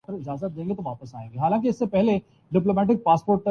اکثریت کا ماننا ہے کہ ناکامی کی اصل وجہ مصباح الحق کی دفاعی حکمت عملی ہے